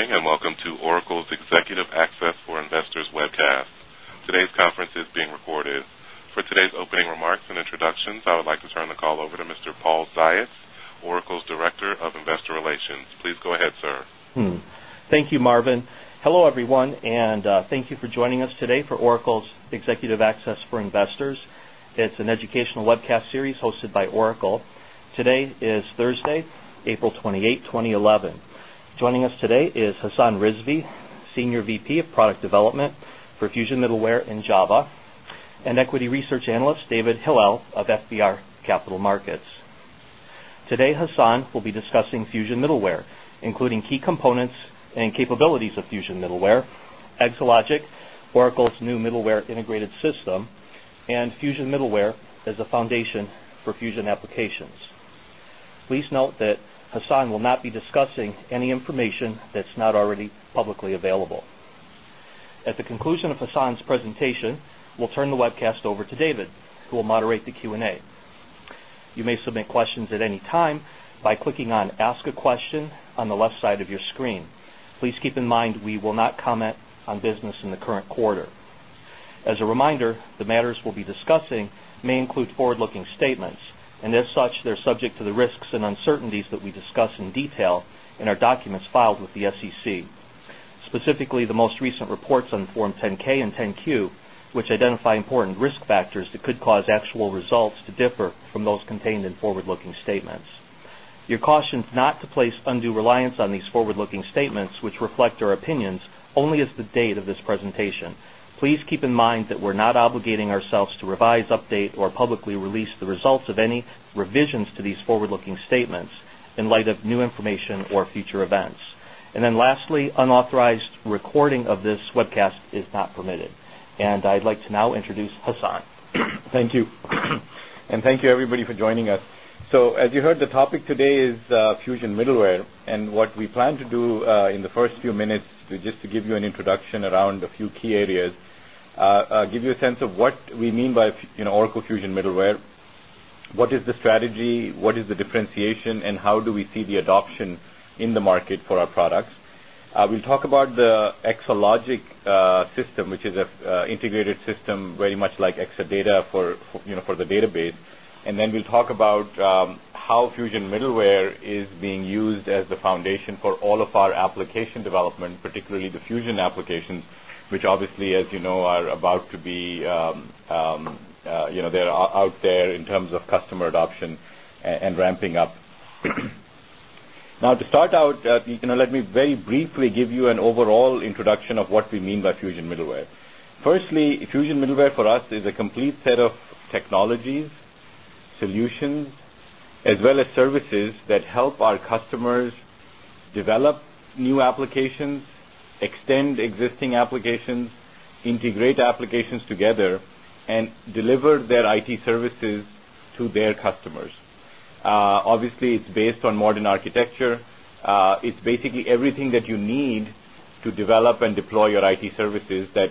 Good morning and welcome to Oracle's Executive Access for Investors webcast. Today's conference is being recorded. For today's opening remarks and introductions, I would like to turn the call over to Mr. Paul Ziots, Oracle's Director of Investor Relations. Please go ahead, sir. Thank you, Marvin. Hello, everyone, and thank you for joining us today for Oracle's Executive Access for Investors. It's an educational webcast series hosted by Oracle. Today is Thursday, April 28, 2011. Joining us today is Hasan Rizvi, Senior VP of Product Development for Fusion Middleware and Java, and Equity Research Analyst David Hilal of FBR Capital Markets. Today, Hasan will be discussing Fusion Middleware, including key components and capabilities of Fusion Middleware, Exalogic, Oracle's new middleware integrated system, and Fusion Middleware as a foundation for Fusion Applications. Please note that Hasan will not be discussing any information that's not already publicly available. At the conclusion of Hasan's presentation, we'll turn the webcast over to David, who will moderate the Q&A. You may submit questions at any time by clicking on "Ask a Question" on the left side of your screen. Please keep in mind we will not comment on business in the current quarter. As a reminder, the matters we'll be discussing may include forward-looking statements, and as such, they're subject to the risks and uncertainties that we discuss in detail in our documents filed with the SEC, specifically the most recent reports on Form 10-K and Form 10-Q, which identify important risk factors that could cause actual results to differ from those contained in forward-looking statements. You're cautioned not to place undue reliance on these forward-looking statements, which reflect our opinions only as of the date of this presentation. Please keep in mind that we're not obligating ourselves to revise, update, or publicly release the results of any revisions to these forward-looking statements in light of new information or future events. Lastly, unauthorized recording of this webcast is not permitted. I'd like to now introduce Hasan. Thank you. And thank you, everybody, for joining us. As you heard, the topic today is Fusion Middleware. What we plan to do in the first few minutes is just to give you an introduction around a few key areas, give you a sense of what we mean by Oracle Fusion Middleware, what is the strategy, what is the differentiation, and how do we see the adoption in the market for our products. We'll talk about the Exalogic system, which is an integrated system very much like Exadata for the database. We'll talk about how Fusion Middleware is being used as the foundation for all of our application development, particularly the Fusion Applications, which obviously, as you know, are about to be out there in terms of customer adoption and ramping up. Now, to start out, let me very briefly give you an overall introduction of what we mean by Fusion Middleware. Firstly, Fusion Middleware for us is a complete set of technologies, solutions, as well as services that help our customers develop new applications, extend existing applications, integrate applications together, and deliver their IT services to their customers. Obviously, it's based on modern architecture. It's basically everything that you need to develop and deploy your IT services that,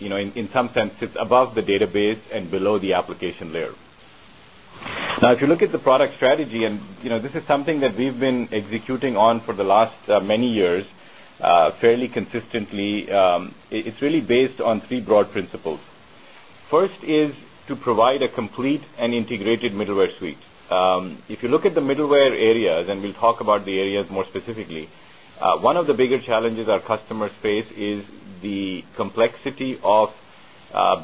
in some sense, sits above the database and below the application layer. If you look at the product strategy, and this is something that we've been executing on for the last many years fairly consistently, it's really based on three broad principles. First is to provide a complete and integrated middleware suite. If you look at the middleware areas, and we'll talk about the areas more specifically, one of the bigger challenges our customers face is the complexity of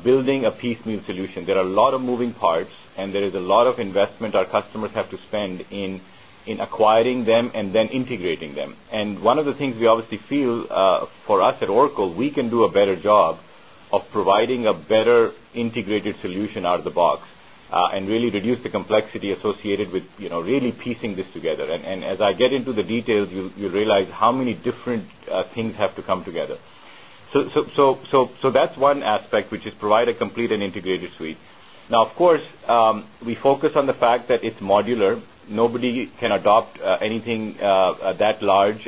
building a piecemeal solution. There are a lot of moving parts, and there is a lot of investment our customers have to spend in acquiring them and then integrating them. One of the things we obviously feel for us at Oracle, we can do a better job of providing a better integrated solution out of the box and really reduce the complexity associated with really piecing this together. As I get into the details, you realize how many different things have to come together. That's one aspect, which is to provide a complete and integrated suite. Of course, we focus on the fact that it's modular. Nobody can adopt anything that large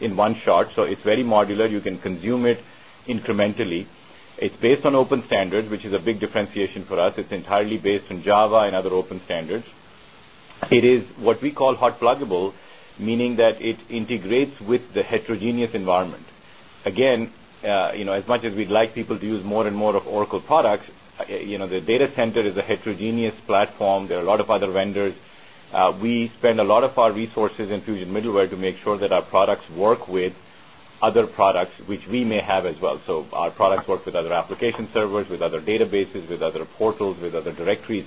in one shot. It's very modular. You can consume it incrementally. It's based on open standards, which is a big differentiation for us. It's entirely based on Java and other open standards. It is what we call hot pluggable, meaning that it integrates with the heterogeneous environment. Again, as much as we'd like people to use more and more of Oracle products, the data center is a heterogeneous platform. There are a lot of other vendors. We spend a lot of our resources in Fusion Middleware to make sure that our products work with other products, which we may have as well. Our products work with other application servers, with other databases, with other portals, with other directories,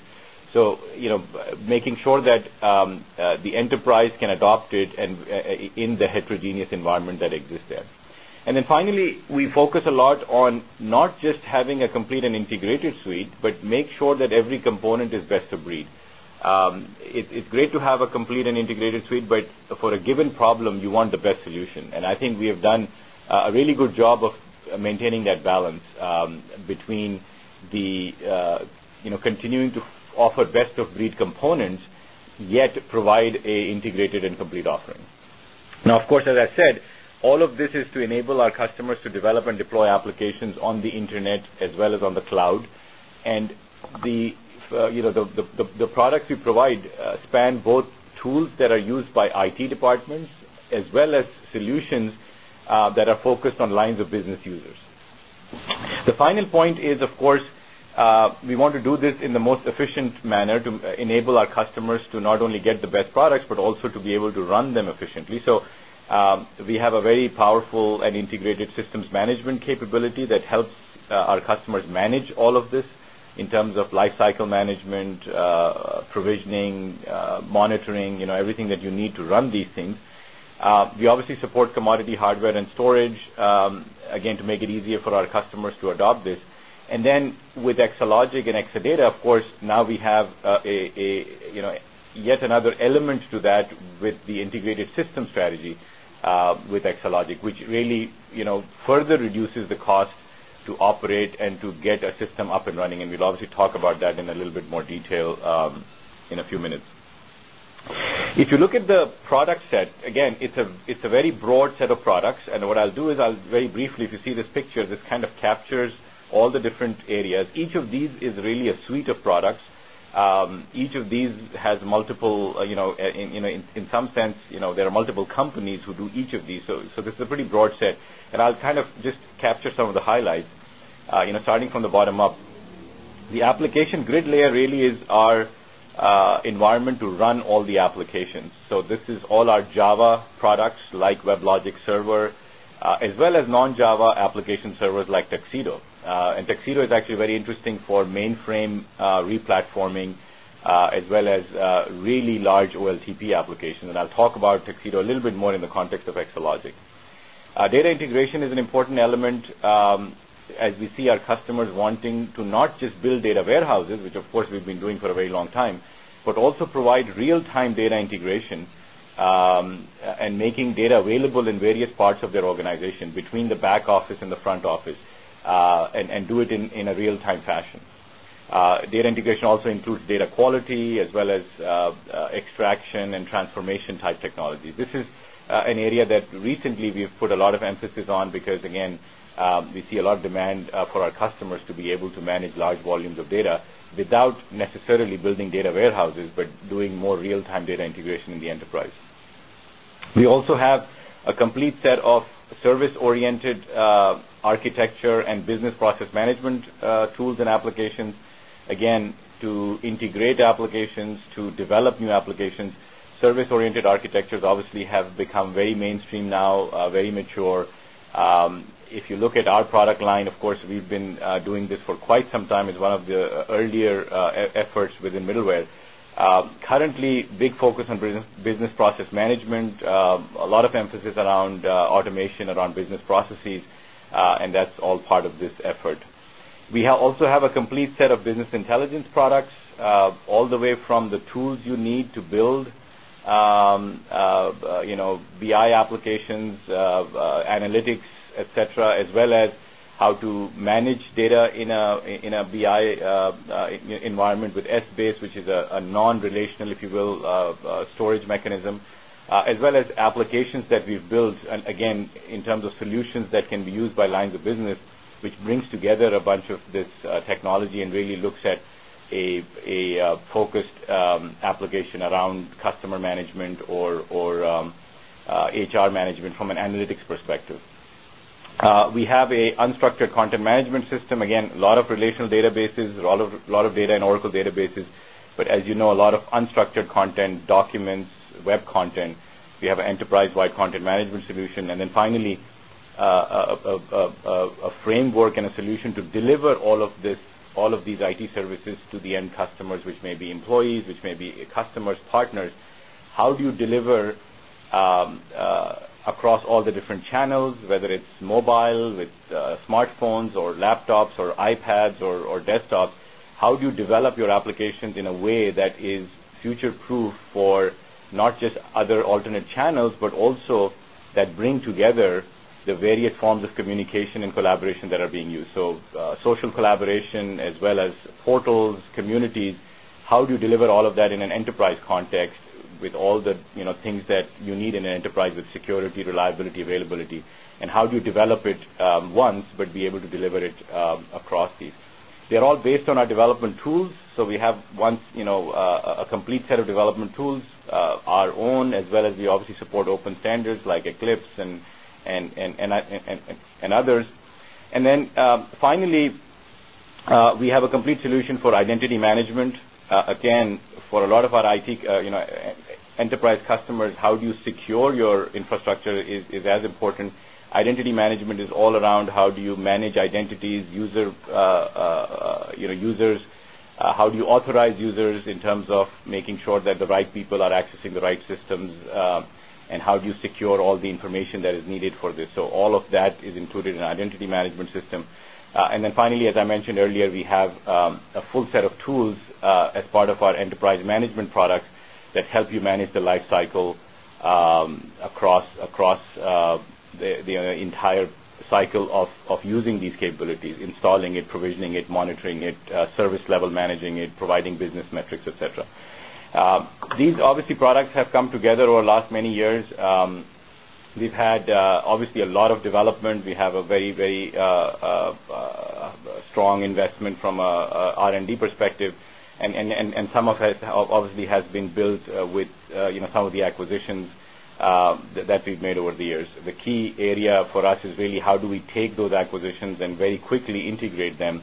making sure that the enterprise can adopt it in the heterogeneous environment that exists there. Finally, we focus a lot on not just having a complete and integrated suite, but make sure that every component is best of breed. It's great to have a complete and integrated suite, but for a given problem, you want the best solution. I think we have done a really good job of maintaining that balance between continuing to offer best-of-breed components, yet provide an integrated and complete offering. Of course, as I said, all of this is to enable our customers to develop and deploy applications on the internet, as well as on the cloud. The products we provide span both tools that are used by IT departments, as well as solutions that are focused on lines of business users. The final point is, of course, we want to do this in the most efficient manner to enable our customers to not only get the best products, but also to be able to run them efficiently. We have a very powerful and integrated systems management capability that helps our customers manage all of this in terms of lifecycle management, provisioning, monitoring, everything that you need to run these things. We obviously support commodity hardware and storage, again, to make it easier for our customers to adopt this. With Exalogic and Exadata, of course, now we have yet another element to that with the integrated system strategy with Exalogic, which really further reduces the cost to operate and to get a system up and running. We'll obviously talk about that in a little bit more detail in a few minutes. If you look at the product set, again, it's a very broad set of products. What I'll do is I'll very briefly, if you see this picture, this kind of captures all the different areas. Each of these is really a suite of products. Each of these has multiple, in some sense, there are multiple companies who do each of these. This is a pretty broad set. I'll just capture some of the highlights, starting from the bottom up. The application grid layer really is our environment to run all the applications. This is all our Java products, like WebLogic Server, as well as non-Java application servers like Tuxedo. Tuxedo is actually very interesting for mainframe replatforming, as well as really large OLTP applications. I'll talk about Tuxedo a little bit more in the context of Exalogic. Data integration is an important element, as we see our customers wanting to not just build data warehouses, which, of course, we've been doing for a very long time, but also provide real-time data integration and making data available in various parts of their organization, between the back office and the front office, and do it in a real-time fashion. Data integration also includes data quality, as well as extraction and transformation type technologies. This is an area that recently we've put a lot of emphasis on because, again, we see a lot of demand for our customers to be able to manage large volumes of data without necessarily building data warehouses, but doing more real-time data integration in the enterprise. We also have a complete set of service-oriented architecture and business process management tools and applications to integrate applications, to develop new applications. Service-oriented architectures obviously have become very mainstream now, very mature. If you look at our product line, of course, we've been doing this for quite some time. It's one of the earlier efforts within middleware. Currently, big focus on business process management, a lot of emphasis around automation, around business processes. That's all part of this effort. We also have a complete set of business intelligence products, all the way from the tools you need to build BI applications, Analytics, et cetera, as well as how to manage data in a BI environment with Essbase, which is a non-relational, if you will, storage mechanism, as well as applications that we've built. In terms of solutions that can be used by lines of business, which brings together a bunch of this technology and really looks at a focused application around customer management or HR management from an analytics perspective. We have an unstructured content management system. Again, a lot of relational databases, a lot of data in Oracle databases. As you know, a lot of unstructured content, documents, web content. We have an enterprise-wide content management solution. Finally, a framework and a solution to deliver all of these IT services to the end customers, which may be employees, customers, or partners. How do you deliver across all the different channels, whether it's mobile with smartphones, laptops, iPads, or desktops? How do you develop your applications in a way that is future-proof for not just other alternate channels, but also that brings together the various forms of communication and collaboration that are being used? Social collaboration, as well as portals and communities, how do you deliver all of that in an enterprise context with all the things that you need in an enterprise with security, reliability, and availability? How do you develop it once, but be able to deliver it across these? They're all based on our development tools. We have a complete set of development tools, our own, as well as we obviously support open standards like Eclipse and others. Finally, we have a complete solution for identity management. For a lot of our IT enterprise customers, how you secure your infrastructure is as important. Identity management is all around how you manage identities, users, how you authorize users in terms of making sure that the right people are accessing the right systems, and how you secure all the information that is needed for this. All of that is included in the identity management system. As I mentioned earlier, we have a full set of tools as part of our enterprise management products that help you manage the lifecycle across the entire cycle of using these capabilities, installing it, provisioning it, monitoring it, service level managing it, providing business metrics, etc. These products have come together over the last many years. We've had a lot of development. We have a very, very strong investment from an R&D perspective. Some of it has been built with some of the acquisitions that we've made over the years. The key area for us is really how do we take those acquisitions and very quickly integrate them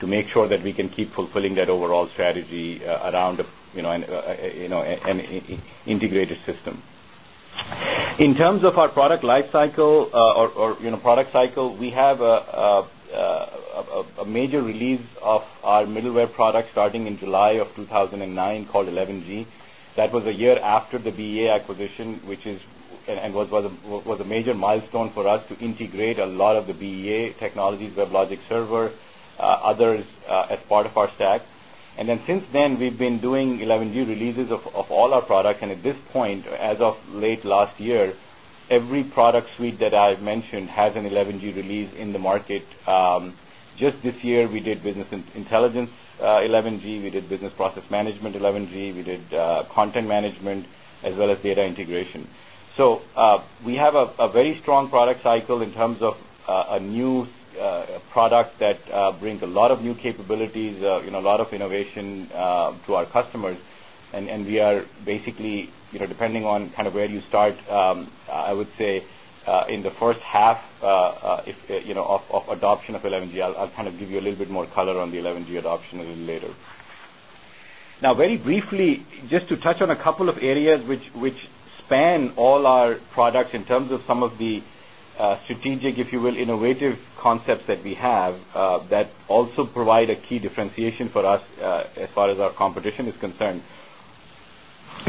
to make sure that we can keep fulfilling that overall strategy around an integrated system. In terms of our product lifecycle or product cycle, we have a major release of our middleware product starting in July of 2009 called 11g. That was a year after the BEA acquisition, which was a major milestone for us to integrate a lot of the BEA technologies, WebLogic Server, others as part of our stack. Since then, we've been doing 11g releases of all our products. At this point, as of late last year, every product suite that I've mentioned has an 11g release in the market. Just this year, we did business intelligence 11g. We did business process management 11g. We did content management, as well as data integration. We have a very strong product cycle in terms of a new product that brings a lot of new capabilities, a lot of innovation to our customers. We are basically, depending on kind of where you start, I would say in the first half of adoption of 11g. I'll kind of give you a little bit more color on the 11g adoption a little later. Very briefly, just to touch on a couple of areas which span all our products in terms of some of the strategic, if you will, innovative concepts that we have that also provide a key differentiation for us as far as our competition is concerned.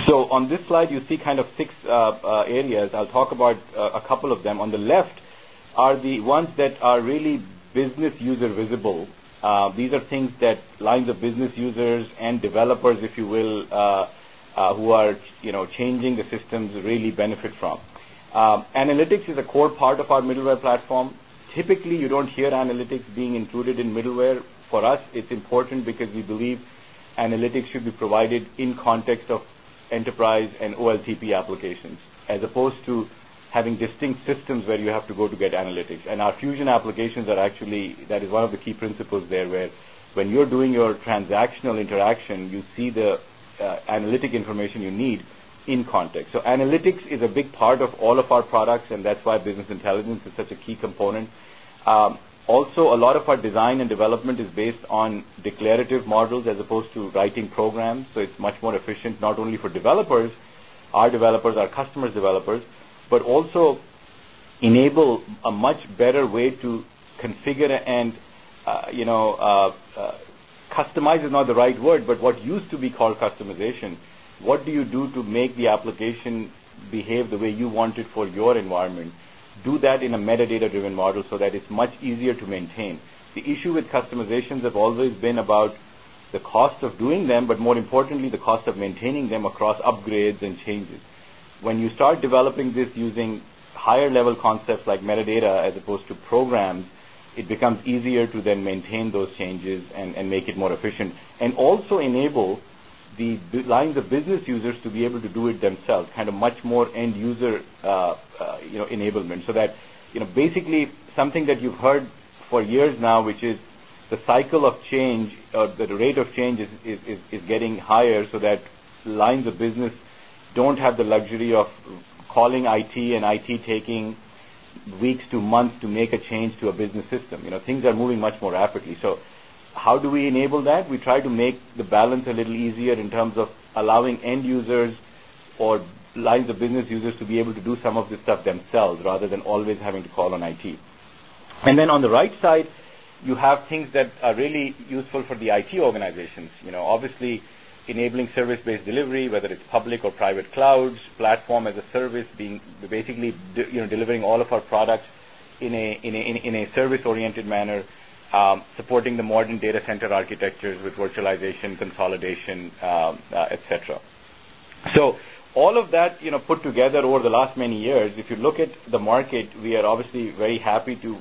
On this slide, you see kind of six areas. I'll talk about a couple of them. On the left are the ones that are really business user visible. These are things that lines of business users and developers, if you will, who are changing the systems really benefit from. Analytics is a core part of our middleware platform. Typically, you don't hear Analytics being included in middleware. For us, it's important because we believe Analytics should be provided in the context of enterprise and OLTP applications, as opposed to having distinct systems where you have to go to get Analytics. Our Fusion Applications are actually, that is one of the key principles there, where when you're doing your transactional interaction, you see the analytic information you need in context. Analytics is a big part of all of our products. That's why business intelligence is such a key component. Also, a lot of our design and development is based on declarative models as opposed to writing programs. It's much more efficient, not only for developers, our developers, our customers' developers, but also enables a much better way to configure and customize is not the right word, but what used to be called customization. What do you do to make the application behave the way you want it for your environment? Do that in a metadata-driven model so that it's much easier to maintain. The issue with customizations has always been about the cost of doing them, but more importantly, the cost of maintaining them across upgrades and changes. When you start developing this using higher-level concepts like metadata as opposed to programs, it becomes easier to then maintain those changes and make it more efficient, and also enable the lines of business users to be able to do it themselves, kind of much more end-user enablement. That basically, something that you've heard for years now, which is the cycle of change, the rate of change is getting higher so that lines of business don't have the luxury of calling IT and IT taking weeks to months to make a change to a business system. Things are moving much more rapidly. How do we enable that? We try to make the balance a little easier in terms of allowing end users or lines of business users to be able to do some of this stuff themselves rather than always having to call on IT. On the right side, you have things that are really useful for the IT organizations. Obviously, enabling service-based delivery, whether it's public or private clouds, platform as a service, basically delivering all of our products in a service-oriented manner, supporting the modern data center architectures with virtualization, consolidation, et cetera. All of that put together over the last many years, if you look at the market, we are obviously very happy to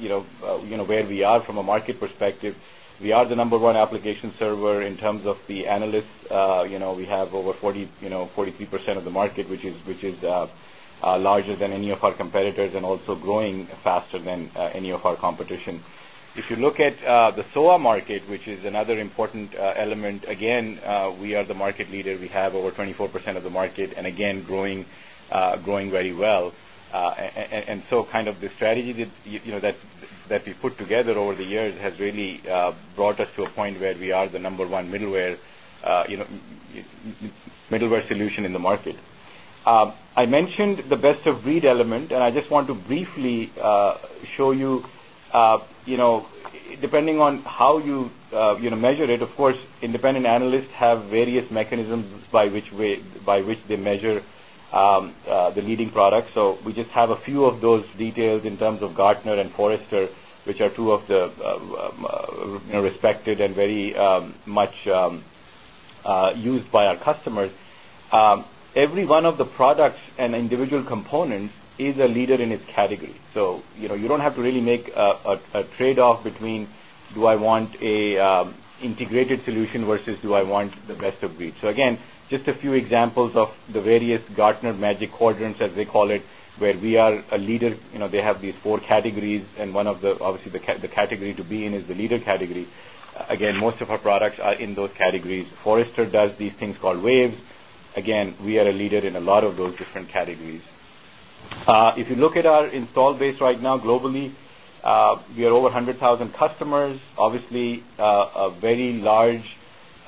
where we are from a market perspective. We are the number one application server in terms of the analysts. We have over 43% of the market, which is larger than any of our competitors and also growing faster than any of our competition. If you look at the SOA market, which is another important element, again, we are the market leader. We have over 24% of the market and, again, growing very well. The strategy that we put together over the years has really brought us to a point where we are the number one middleware solution in the market. I mentioned the best-of-breed element. I just want to briefly show you, depending on how you measure it, of course, independent analysts have various mechanisms by which they measure the leading products. We just have a few of those details in terms of Gartner and Forrester, which are two of the respected and very much used by our customers. Every one of the products and individual components is a leader in its category. You don't have to really make a trade-off between, do I want an integrated solution versus do I want the best-of-breed? Just a few examples of the various Gartner Magic Quadrants, as they call it, where we are a leader. They have these four categories, and obviously, the category to be in is the leader category. Most of our products are in those categories. Forrester does these things called Waves. We are a leader in a lot of those different categories. If you look at our install base right now globally, we are over 100,000 customers. Obviously,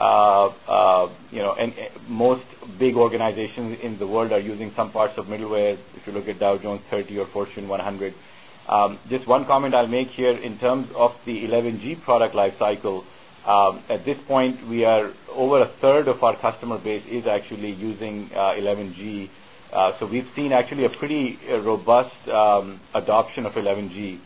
a very large, and most big organizations in the world are using some parts of middleware. If you look at Dow Jones 30 or Fortune 100. One comment I'll make here in terms of the 11g product lifecycle. At this point, we are over 1/3 of our customer base is actually using 11g. We've seen actually a pretty robust adoption of 11g.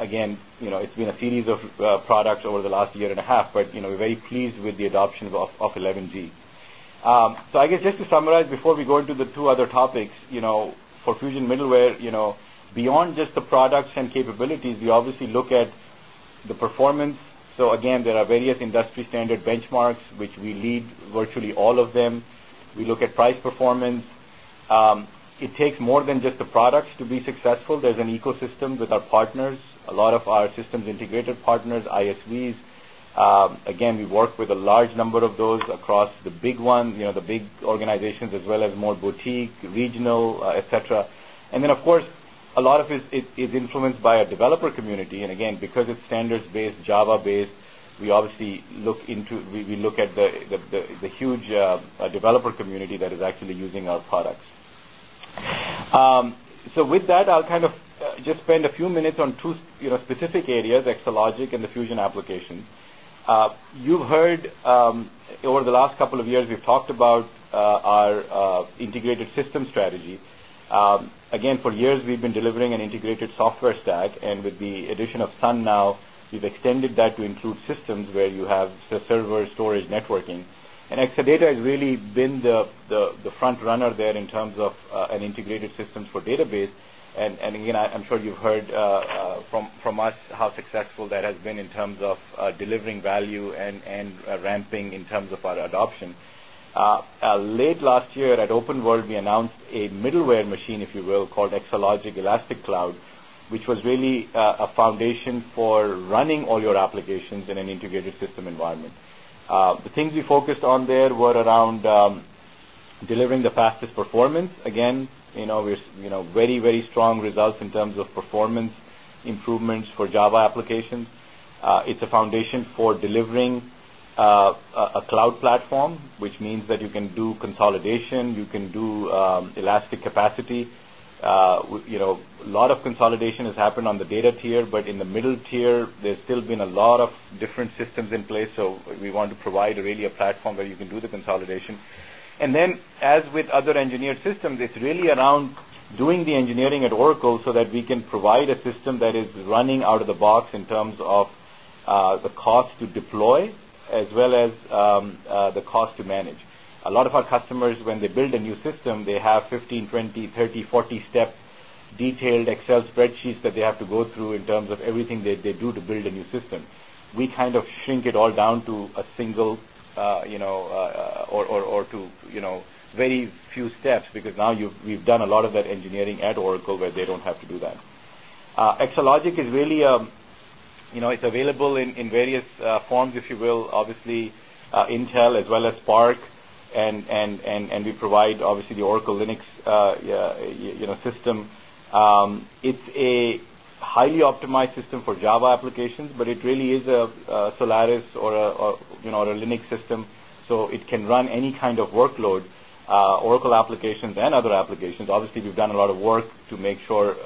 It's been a series of products over the last year and a half. We're very pleased with the adoption of 11g. Just to summarize before we go into the two other topics, for Fusion Middleware, beyond just the products and capabilities, we obviously look at the performance. There are various industry standard benchmarks, which we lead virtually all of them. We look at price performance. It takes more than just the products to be successful. There's an ecosystem with our partners, a lot of our systems integrated partners, ISVs. We work with a large number of those across the big ones, the big organizations, as well as more boutique, regional, et cetera. Of course, a lot of it is influenced by our developer community. Because it's standards-based, Java-based, we obviously look into it. We look at the huge developer community that is actually using our products. With that, I'll just spend a few minutes on two specific areas, Exalogic and the Fusion application. You've heard over the last couple of years, we've talked about our integrated system strategy. For years, we've been delivering an integrated software stack. With the addition of Sun now, we've extended that to include systems where you have server storage networking. Exadata has really been the front runner there in terms of an integrated system for database. I'm sure you've heard from us how successful that has been in terms of delivering value and ramping in terms of our adoption. Late last year at OpenWorld, we announced a middleware machine, if you will, called Exalogic Elastic Cloud, which was really a foundation for running all your applications in an integrated system environment. The things we focused on there were around delivering the fastest performance. We're seeing very, very strong results in terms of performance improvements for Java applications. It's a foundation for delivering a cloud platform, which means that you can do consolidation. You can do elastic capacity. A lot of consolidation has happened on the data tier. In the middle tier, there's still been a lot of different systems in place. We want to provide really a platform where you can do the consolidation. As with other engineered systems, it's really around doing the engineering at Oracle so that we can provide a system that is running out of the box in terms of the cost to deploy, as well as the cost to manage. A lot of our customers, when they build a new system, they have 15, 20, 30, 40-step detailed Excel spreadsheets that they have to go through in terms of everything that they do to build a new system. We kind of shrink it all down to a single or to very few steps because now we've done a lot of that engineering at Oracle where they don't have to do that. Exalogic is really available in various forms, if you will, obviously Intel, as well as SPARC. We provide, obviously, the Oracle Linux system. It's a highly optimized system for Java applications. It really is a Solaris or a Linux system, so it can run any kind of workload, Oracle applications and other applications. We've done a lot of work to make sure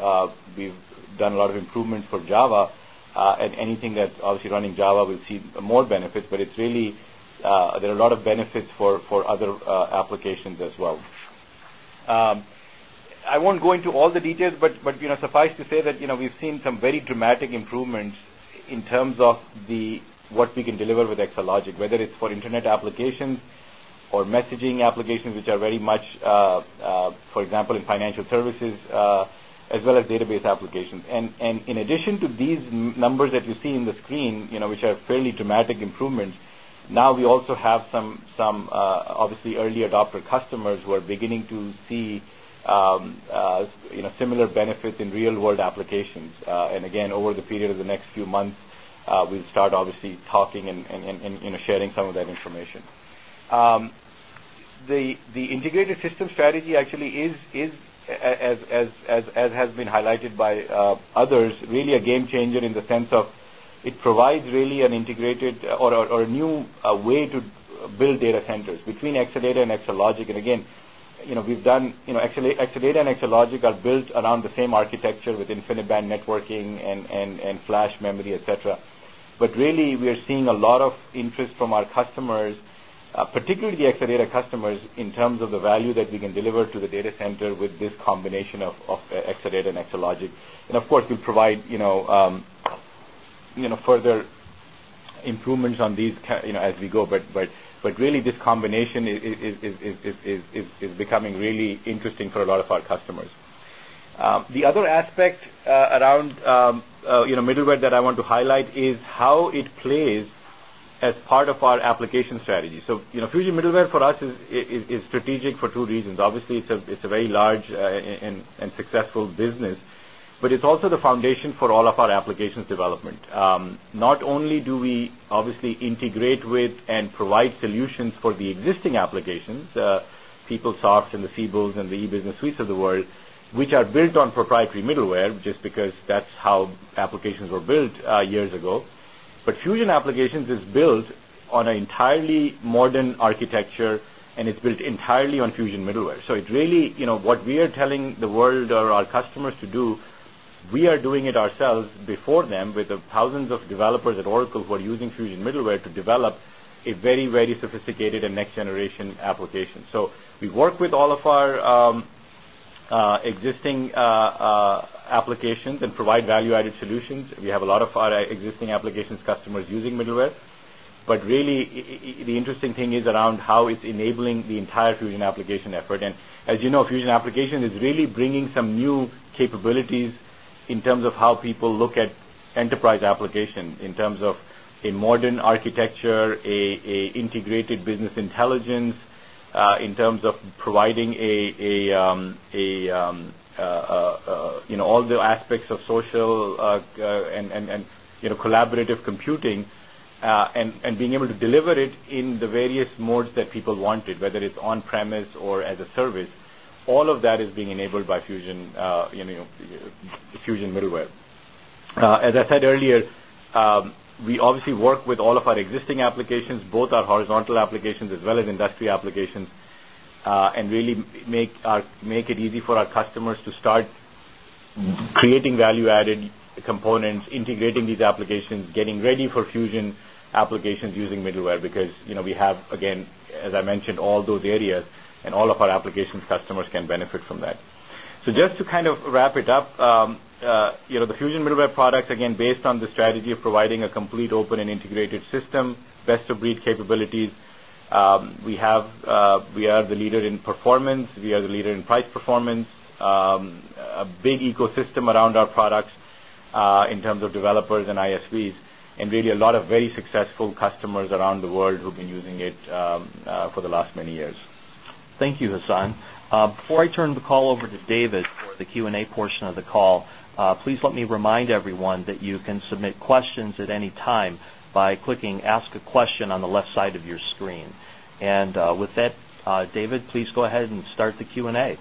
we've done a lot of improvements for Java, and anything that's running Java will see more benefits. There are a lot of benefits for other applications as well. I won't go into all the details, but suffice to say that we've seen some very dramatic improvements in terms of what we can deliver with Exalogic, whether it's for internet applications or messaging applications, which are very much, for example, in financial services, as well as database applications. In addition to these numbers that you see on the screen, which are fairly dramatic improvements, we also have some early adopter customers who are beginning to see similar benefits in real-world applications. Over the period of the next few months, we'll start talking and sharing some of that information. The integrated system strategy, as has been highlighted by others, is really a game changer in the sense that it provides an integrated or a new way to build data centers between Exadata and Exalogic. Exadata and Exalogic are built around the same architecture with InfiniBand networking and flash memory, et cetera. We are seeing a lot of interest from our customers, particularly the Exadata customers, in terms of the value that we can deliver to the data center with this combination of Exadata and Exalogic. We will provide further improvements on these as we go. This combination is becoming really interesting for a lot of our customers. The other aspect around Middleware that I want to highlight is how it plays as part of our application strategy. Fusion Middleware for us is strategic for two reasons. It's a very large and successful business, and it's also the foundation for all of our applications development. Not only do we integrate with and provide solutions for the existing applications, PeopleSoft and the Siebels and the E-Business Suites of the world, which are built on proprietary middleware just because that's how applications were built years ago, but Fusion Applications are built on an entirely modern architecture. It's built entirely on Fusion Middleware. What we are telling the world or our customers to do, we are doing it ourselves before them with the thousands of developers at Oracle who are using Fusion Middleware to develop a very, very sophisticated and next-generation application. We work with all of our existing applications and provide value-added solutions. We have a lot of our existing applications customers using middleware. The interesting thing is around how it's enabling the entire Fusion Applications effort. As you know, Fusion Applications is really bringing some new capabilities in terms of how people look at enterprise applications, in terms of a modern architecture, an integrated business intelligence, in terms of providing all the aspects of social and collaborative computing, and being able to deliver it in the various modes that people wanted, whether it's on-premise or as a service. All of that is being enabled by Fusion Middleware. As I said earlier, we obviously work with all of our existing applications, both our horizontal applications as well as industry applications, and really make it easy for our customers to start creating value-added components, integrating these applications, getting ready for Fusion Applications using middleware because we have, again, as I mentioned, all those areas. All of our applications customers can benefit from that. To wrap it up, the Fusion Middleware products, again, based on the strategy of providing a complete, open, and integrated system, best-of-breed capabilities, we are the leader in performance. We are the leader in price performance, a big ecosystem around our products in terms of developers and ISVs, and really a lot of very successful customers around the world who've been using it for the last many years. Thank you, Hasan. Before I turn the call over to David for the Q&A portion of the call, please let me remind everyone that you can submit questions at any time by clicking "Ask a Question" on the left side of your screen. With that, David, please go ahead and start the Q&A.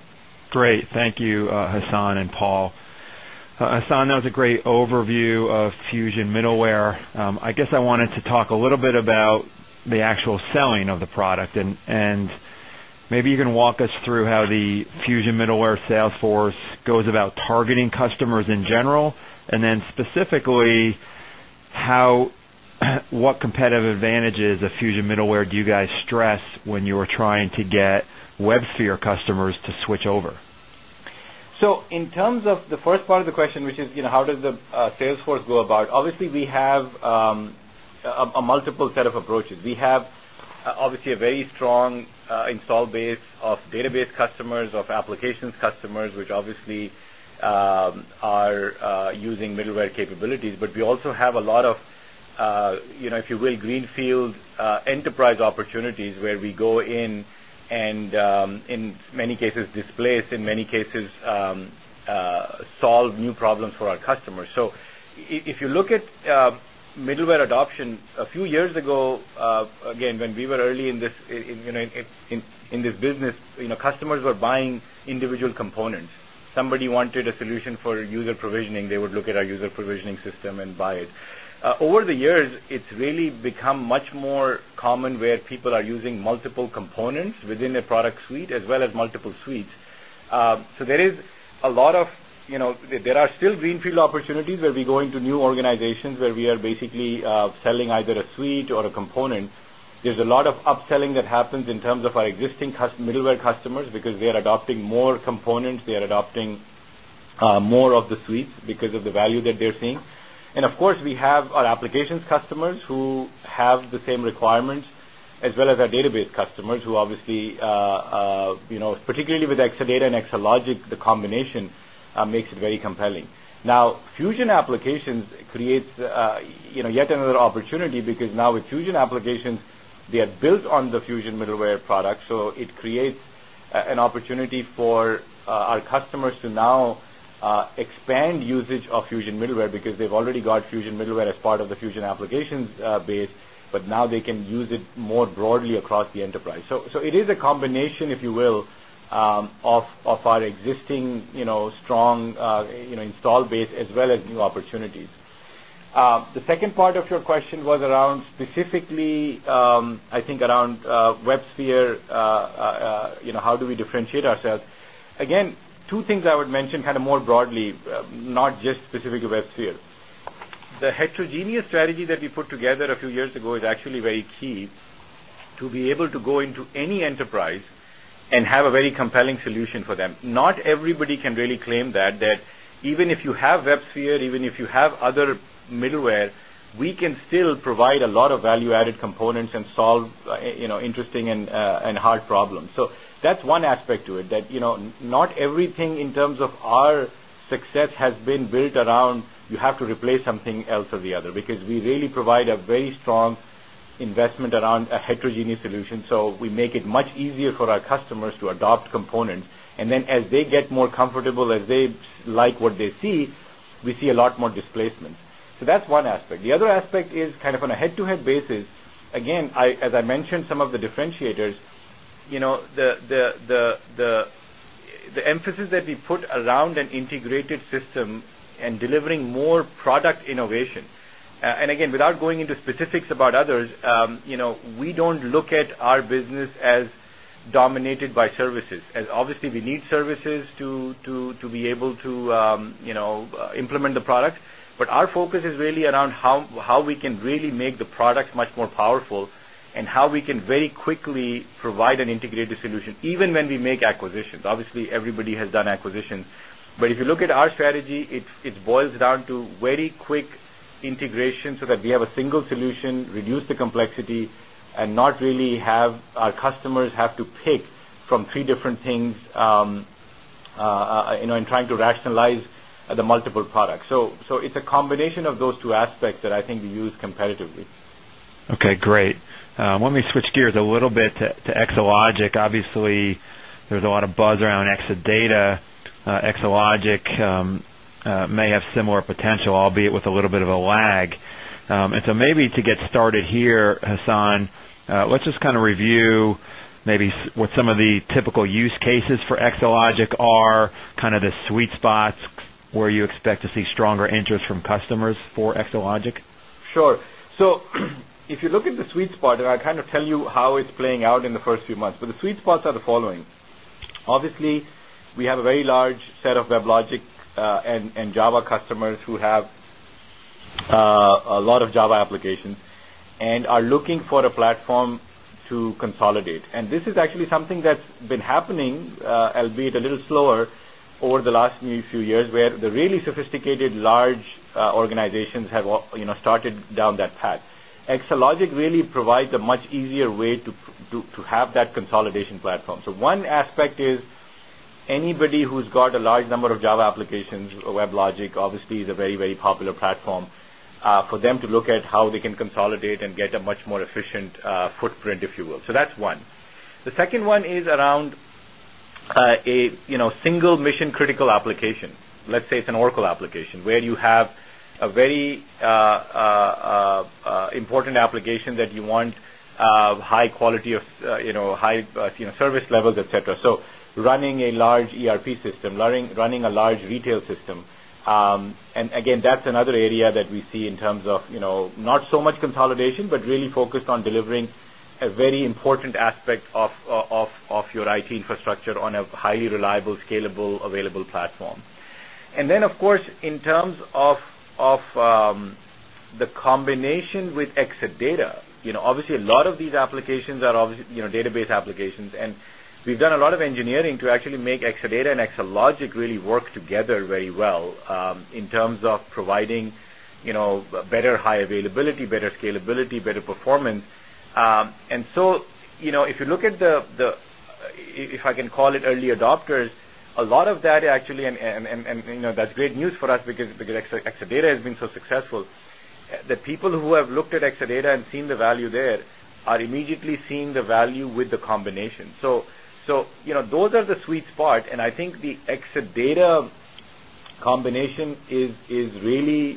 Great. Thank you, Hasan and Paul. Hasan, that was a great overview of Fusion Middleware. I guess I wanted to talk a little bit about the actual selling of the product. Maybe you can walk us through how the Fusion Middleware sales force goes about targeting customers in general, and then specifically what competitive advantages of Fusion Middleware do you guys stress when you are trying to get WebSphere customers to switch over? In terms of the first part of the question, which is how does the sales force go about, obviously, we have a multiple set of approaches. We have obviously a very strong install base of database customers, of applications customers, which obviously are using middleware capabilities. We also have a lot of, if you will, greenfield enterprise opportunities where we go in and, in many cases, displace, in many cases, solve new problems for our customers. If you look at middleware adoption a few years ago, when we were early in this business, customers were buying individual components. Somebody wanted a solution for user provisioning. They would look at our user provisioning system and buy it. Over the years, it's really become much more common where people are using multiple components within a product suite, as well as multiple suites. There are still greenfield opportunities where we go into new organizations where we are basically selling either a suite or a component. There's a lot of upselling that happens in terms of our existing middleware customers because they are adopting more components. They are adopting more of the suites because of the value that they're seeing. Of course, we have our applications customers who have the same requirements, as well as our database customers who obviously, particularly with Exadata and Exalogic, the combination makes it very compelling. Fusion Applications create yet another opportunity because now with Fusion Applications, they are built on the Fusion Middleware product. It creates an opportunity for our customers to now expand usage of Fusion Middleware because they've already got Fusion Middleware as part of the Fusion Applications base. Now they can use it more broadly across the enterprise. It is a combination, if you will, of our existing strong install base, as well as new opportunities. The second part of your question was around specifically, I think, around WebSphere, how do we differentiate ourselves? Two things I would mention kind of more broadly, not just specifically WebSphere. The heterogeneous strategy that we put together a few years ago is actually very key to be able to go into any enterprise and have a very compelling solution for them. Not everybody can really claim that, that even if you have WebSphere, even if you have other middleware, we can still provide a lot of value-added components and solve interesting and hard problems. That is one aspect to it, that not everything in terms of our success has been built around you have to replace something else or the other, because we really provide a very strong investment around a heterogeneous solution. We make it much easier for our customers to adopt components, and then as they get more comfortable, as they like what they see, we see a lot more displacements. That is one aspect. The other aspect is kind of on a head-to-head basis. Again, as I mentioned, some of the differentiators, the emphasis that we put around an integrated system and delivering more product innovation. Again, without going into specifics about others, we do not look at our business as dominated by services. Obviously, we need services to be able to implement the products, but our focus is really around how we can really make the products much more powerful and how we can very quickly provide an integrated solution, even when we make acquisitions. Obviously, everybody has done acquisitions, but if you look at our strategy, it boils down to very quick integration so that we have a single solution, reduce the complexity, and not really have our customers have to pick from three different things and trying to rationalize the multiple products. It is a combination of those two aspects that I think we use competitively. OK, great. Let me switch gears a little bit to Exalogic. Obviously, there's a lot of buzz around Exadata. Exalogic may have similar potential, albeit with a little bit of a lag. Maybe to get started here, Hasan, let's just kind of review maybe what some of the typical use cases for Exalogic are, kind of the sweet spots where you expect to see stronger interest from customers for Exalogic. Sure. If you look at the sweet spot, and I'll kind of tell you how it's playing out in the first few months. The sweet spots are the following. Obviously, we have a very large set of WebLogic and Java customers who have a lot of Java applications and are looking for a platform to consolidate. This is actually something that's been happening, albeit a little slower, over the last few years, where the really sophisticated large organizations have started down that path. Exalogic really provides a much easier way to have that consolidation platform. One aspect is anybody who's got a large number of Java applications. WebLogic, obviously, is a very, very popular platform for them to look at how they can consolidate and get a much more efficient footprint, if you will. That's one. The second one is around a single mission-critical application. Let's say it's an Oracle application where you have a very important application that you want high quality of service levels, et cetera. Running a large ERP system, running a large retail system. That's another area that we see in terms of not so much consolidation, but really focused on delivering a very important aspect of your IT infrastructure on a highly reliable, scalable, available platform. In terms of the combination with Exadata, obviously, a lot of these applications are database applications. We've done a lot of engineering to actually make Exadata and Exalogic really work together very well in terms of providing better high availability, better scalability, better performance. If you look at the, if I can call it, early adopters, a lot of that actually, and that's great news for us because Exadata has been so successful, the people who have looked at Exadata and seen the value there are immediately seeing the value with the combination. Those are the sweet spots. I think the Exadata combination is really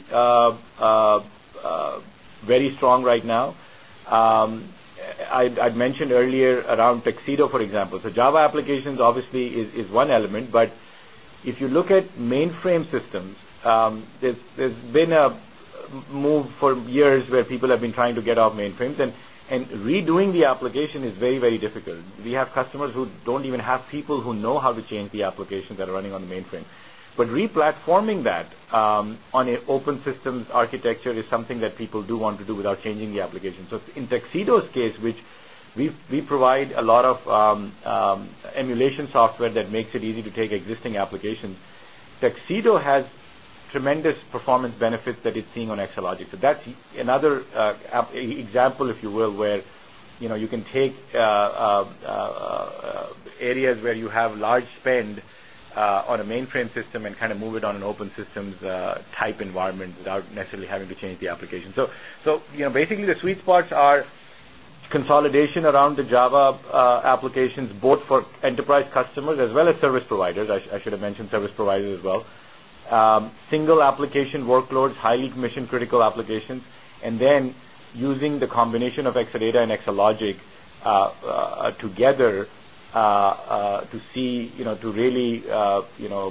very strong right now. I'd mentioned earlier around Tuxedo, for example. Java applications obviously is one element. If you look at mainframe systems, there's been a move for years where people have been trying to get off mainframes. Redoing the application is very, very difficult. We have customers who don't even have people who know how to change the applications that are running on the mainframe. Replatforming that on an open systems architecture is something that people do want to do without changing the application. In Tuxedo's case, which we provide a lot of emulation software that makes it easy to take existing applications, Tuxedo has tremendous performance benefits that it's seeing on Exalogic. That's another example, if you will, where you can take areas where you have a large spend on a mainframe system and kind of move it on an open systems type environment without necessarily having to change the application. Basically, the sweet spots are consolidation around the Java applications, both for enterprise customers as well as service providers. I should have mentioned service providers as well. Single application workloads, highly mission-critical applications, and then using the combination of Exadata and Exalogic together to really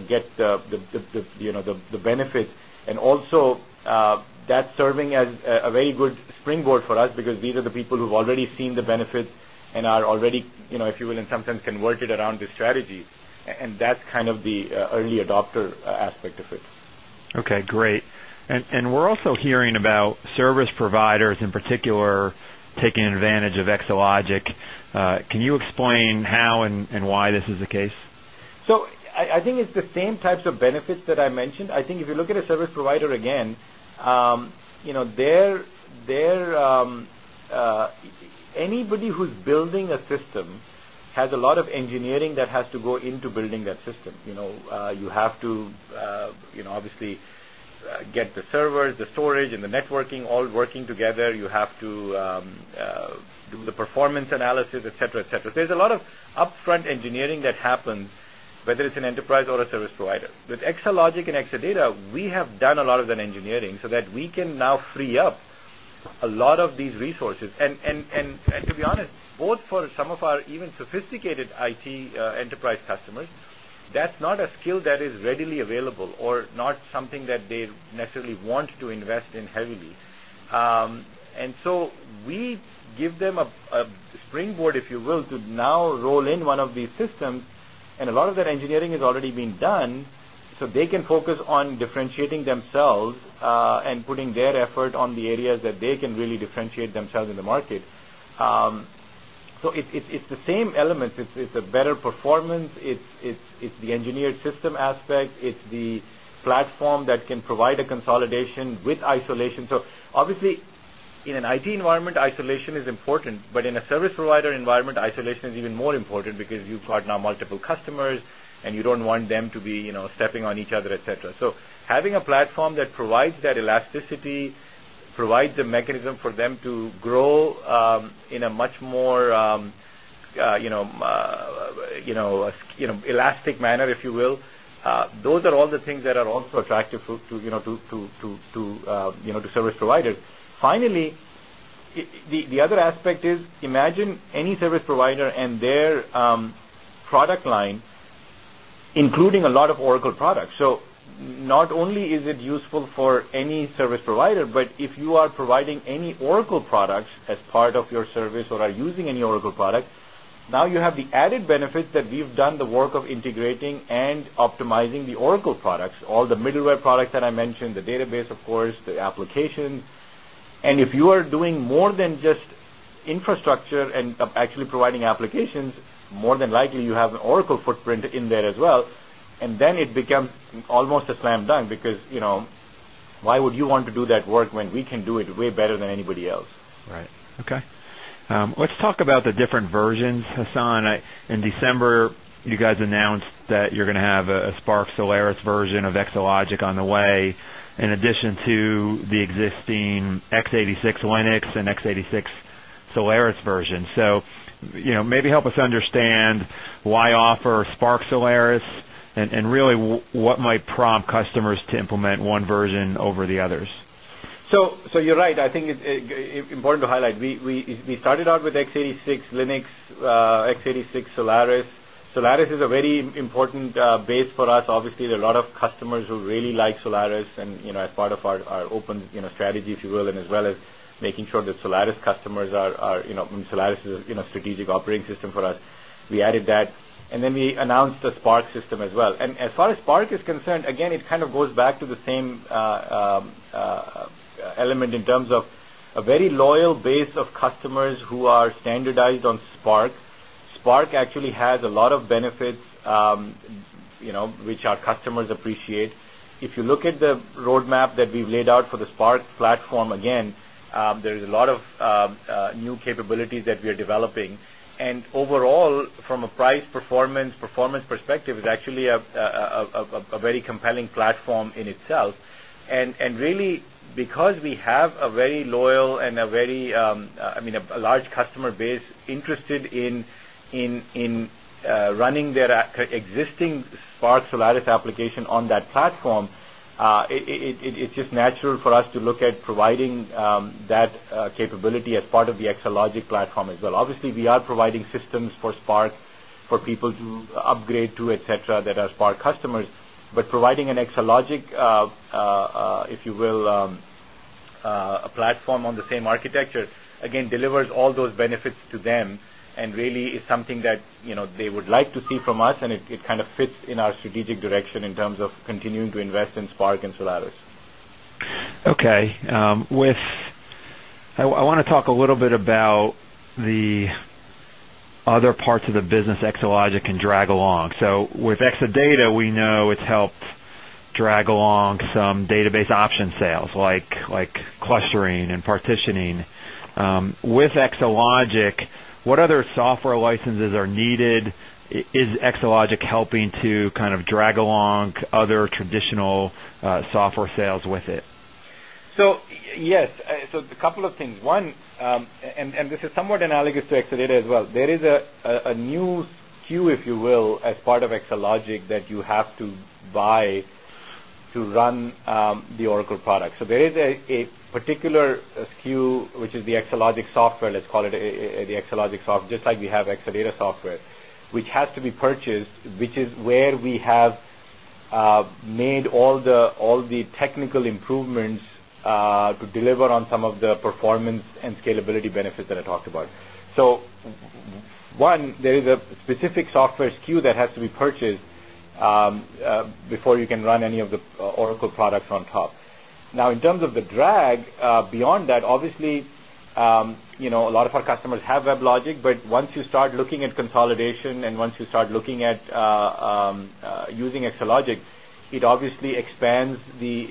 get the benefits. Also, that's serving as a very good springboard for us because these are the people who've already seen the benefits and are already, if you will, in some sense, converted around the strategies. That's kind of the early adopter aspect of it. OK, great. We're also hearing about service providers in particular taking advantage of Exalogic. Can you explain how and why this is the case? I think it's the same types of benefits that I mentioned. If you look at a service provider, anybody who's building a system has a lot of engineering that has to go into building that system. You have to obviously get the servers, the storage, and the networking all working together. You have to do the performance analysis, et cetera. There's a lot of upfront engineering that happens, whether it's an enterprise or a service provider. With Exalogic and Exadata, we have done a lot of that engineering so that we can now free up a lot of these resources. To be honest, both for some of our even sophisticated IT enterprise customers, that's not a skill that is readily available or not something that they necessarily want to invest in heavily. We give them a springboard, if you will, to now roll in one of these systems. A lot of that engineering has already been done so they can focus on differentiating themselves and putting their effort on the areas that they can really differentiate themselves in the market. It's the same elements. It's a better performance. It's the engineered system aspect. It's the platform that can provide a consolidation with isolation. Obviously, in an IT environment, isolation is important. In a service provider environment, isolation is even more important because you've got now multiple customers. You don't want them to be stepping on each other, et cetera. Having a platform that provides that elasticity provides a mechanism for them to grow in a much more elastic manner, if you will. Those are all the things that are also attractive to service providers. Finally, the other aspect is imagine any service provider and their product line including a lot of Oracle products. Not only is it useful for any service provider, but if you are providing any Oracle products as part of your service or are using any Oracle product, now you have the added benefit that we've done the work of integrating and optimizing the Oracle products, all the middleware products that I mentioned, the database, of course, the application. If you are doing more than just infrastructure and actually providing applications, more than likely, you have an Oracle footprint in there as well. It becomes almost a slam dunk because why would you want to do that work when we can do it way better than anybody else? Right. OK. Let's talk about the different versions. Hasan, in December, you guys announced that you're going to have a SPARC Solaris version of Exalogic on the way, in addition to the existing x86 Linux and x86 Solaris versions. Maybe help us understand why offer SPARC Solaris and really what might prompt customers to implement one version over the others. You're right. I think it's important to highlight we started out with x86 Linux, x86 Solaris. Solaris is a very important base for us. Obviously, there are a lot of customers who really like Solaris as part of our open strategy, if you will, as well as making sure that Solaris customers are supported. Solaris is a strategic operating system for us. We added that, and then we announced the SPARC system as well. As far as SPARC is concerned, it kind of goes back to the same element in terms of a very loyal base of customers who are standardized on SPARC. SPARC actually has a lot of benefits, which our customers appreciate. If you look at the roadmap that we've laid out for the SPARC platform, there are a lot of new capabilities that we are developing. Overall, from a price performance perspective, it's actually a very compelling platform in itself. Really, because we have a very loyal and a large customer base interested in running their existing SPARC Solaris applications on that platform, it's just natural for us to look at providing that capability as part of the Exalogic platform as well. Obviously, we are providing systems for SPARC for people to upgrade to, et cetera, that are SPARC customers. Providing an Exalogic platform on the same architecture delivers all those benefits to them and really is something that they would like to see from us. It fits in our strategic direction in terms of continuing to invest in SPARC and Solaris. OK. I want to talk a little bit about the other parts of the business Exalogic can drag along. With Exadata, we know it's helped drag along some database option sales, like clustering and partitioning. With Exalogic, what other software licenses are needed? Is Exalogic helping to kind of drag along other traditional software sales with it? Yes, a couple of things. One, and this is somewhat analogous to Exadata as well, there is a new SKU, if you will, as part of Exalogic that you have to buy to run the Oracle product. There is a particular SKU, which is the Exalogic software, let's call it the Exalogic Software, just like we have Exadata Software, which has to be purchased, which is where we have made all the technical improvements to deliver on some of the performance and scalability benefits that I talked about. One, there is a specific software SKU that has to be purchased before you can run any of the Oracle products on top. Now, in terms of the drag beyond that, obviously, a lot of our customers have WebLogic. Once you start looking at consolidation and once you start looking at using Exalogic, it obviously expands the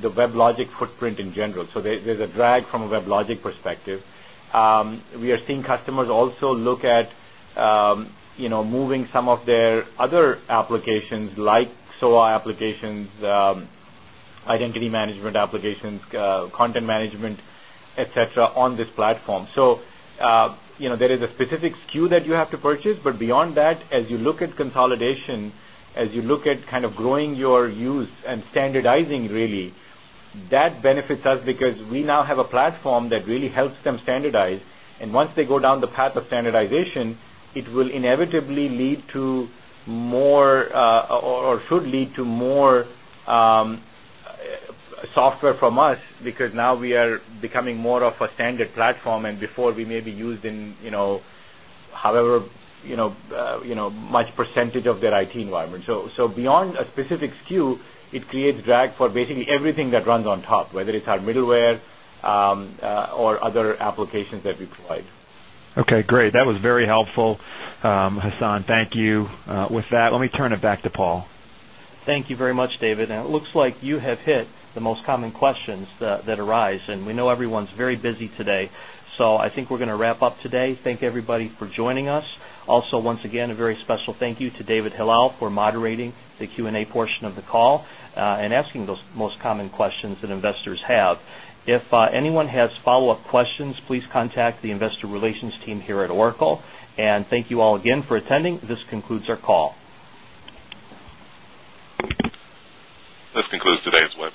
WebLogic footprint in general. There's a drag from a WebLogic perspective. We are seeing customers also look at moving some of their other applications, like SOA applications, identity management applications, content management, et cetera, on this platform. There is a specific SKU that you have to purchase. Beyond that, as you look at consolidation, as you look at kind of growing your use and standardizing, really, that benefits us because we now have a platform that really helps them standardize. Once they go down the path of standardization, it will inevitably lead to more, or should lead to more software from us because now we are becoming more of a standard platform. Before, we may be used in however much percentage of their IT environment. Beyond a specific SKU, it creates drag for basically everything that runs on top, whether it's our middleware or other applications that we provide. OK, great. That was very helpful. Hasan, thank you for that. Let me turn it back to Paul. Thank you very much, David. It looks like you have hit the most common questions that arise. We know everyone's very busy today. I think we're going to wrap up today. Thank everybody for joining us. Also, once again, a very special thank you to David Hilal for moderating the Q&A portion of the call and asking those most common questions that investors have. If anyone has follow-up questions, please contact the Investor Relations team here at Oracle. Thank you all again for attending. This concludes our call. This concludes today's webcast.